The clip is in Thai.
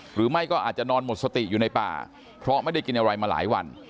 หรือไม่ก็อาจจะนอนหมดสติอยู่ในป่าเพราะไม่ได้กินอะไรมาหลายวัน